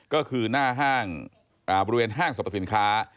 ก็คือบริเวณห้างสรรพสินค้า